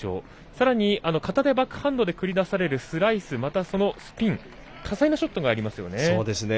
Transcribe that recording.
さらに、片手バックハンドで繰り出されるスライス、またそのスピン多彩なショットがありますよね。